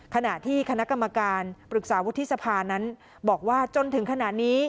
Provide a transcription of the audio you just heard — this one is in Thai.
ขณะที่คณะกรรมการปรึกษาวุฒิสภานั้นบอกว่าจนถึงขณะนี้